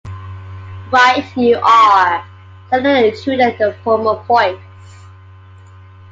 "Right you are," said the intruder in the former voice.